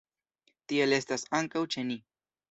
Tiel estas ankaŭ ĉe ni.